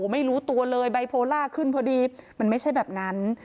ไม่รู้ตัวเลยไบโพล่าขึ้นพอดีมันไม่ใช่แบบนั้น